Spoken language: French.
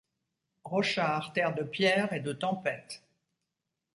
Roshar, terre de pierres et de tempêtes.